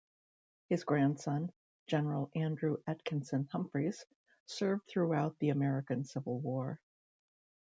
His grandson, General Andrew Atkinson Humphreys, served throughout the American Civil War.